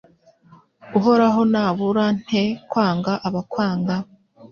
Uhoraho nabura nte kwanga abakwanga?